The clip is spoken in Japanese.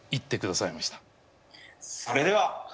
それでは。